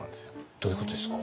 どういうことですか？